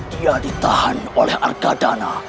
dia ditahan oleh argadana